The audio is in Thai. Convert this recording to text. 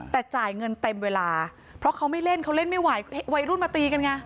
แต่จ่ายเงินเต็มเวลาเพราะเขาไม่เล่นเขาเล่นไม่ไหววัยรุ่นมาตีกันไง